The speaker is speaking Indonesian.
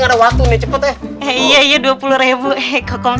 naar bae caranya begit saya belanja tiga puluh ne